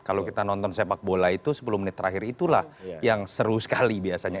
kalau kita nonton sepak bola itu sepuluh menit terakhir itulah yang seru sekali biasanya